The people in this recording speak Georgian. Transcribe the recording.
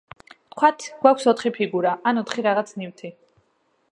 ვთქვათ, გვაქვს ოთხი ფიგურა, ან ოთხი რაღაც ნივთი.